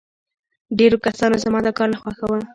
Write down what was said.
ډېرو کسانو زما دا کار نه خوښاوه